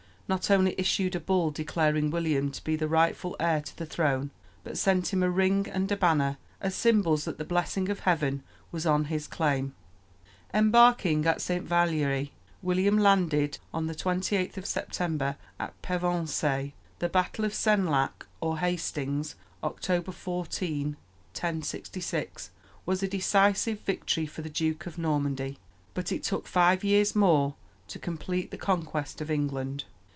not only issued a bull declaring William to be the rightful heir to the throne, but sent him a ring and a banner as symbols that the blessing of heaven was on his claim. Embarking at St. Valéry, William landed, on 28th of September, at Pevensey. The battle of Senlac or Hastings (October 14, 1066), was a decisive victory for the Duke of Normandy; but it took five years more to complete the conquest of England.